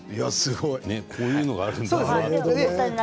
こういうのがあるんだ。